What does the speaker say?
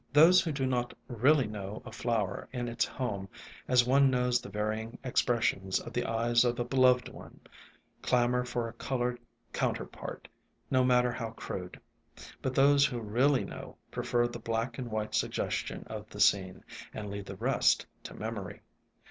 Those who do not really know a flower in its home, as one knows the varying expressions of the eyes of a beloved one, clamor for a colored counter part, no matter how crude. But those who really know, prefer the black and white suggestion of the scene, and leave the rest to memory.